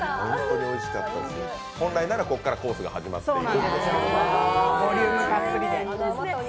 本来ならここからコースが始まっていく。